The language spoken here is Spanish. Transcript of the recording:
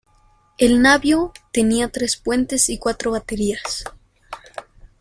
El navío tenía tres puentes y cuatro baterías.